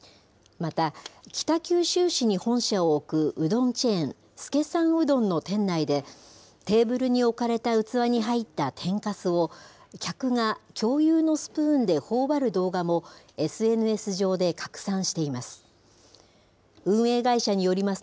また、北九州市に本社を置くうどんチェーン、資さんうどんの店内で、テーブルに置かれた器に入った天かすを、客が共有のスプーンでほおばる動画も、ＳＮＳ上で拡散しています。